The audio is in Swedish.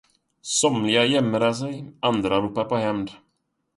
Somliga jämrade sig, andra ropade på hämnd.